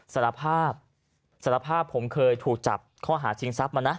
สารภาพสารภาพผมเคยถูกจับข้อหาชิงทรัพย์มานะ